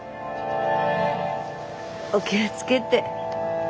お気を付けて。